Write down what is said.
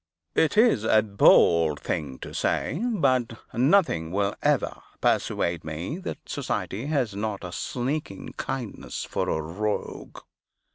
It is a bold thing to say, but nothing will ever persuade me that Society has not a sneaking kindness for a Rogue.